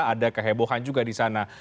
ada kehebohan juga di sana